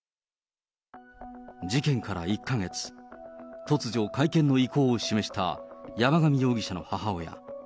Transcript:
事件から１か月、突如、会見の意向を示した山上容疑者の母親。